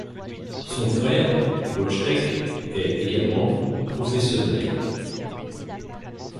Son frère Vojtěch est également professionnel.